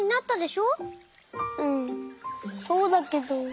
うんそうだけど。